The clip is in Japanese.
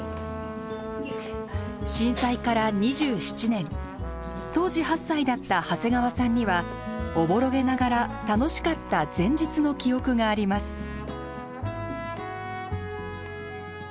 震災から２７年当時８歳だった長谷川さんにはおぼろげながら楽しかった前日の記憶があります。